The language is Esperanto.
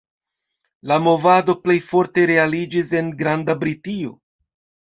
La movado plej forte realiĝis en Granda Britio.